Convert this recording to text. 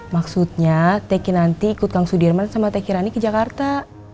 maksudnya teh kinanti ikut kang sudirman sama teh kirani ke jakarta